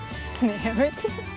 やめて。